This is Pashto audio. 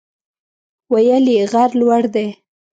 ویل یې غر لوړ دی.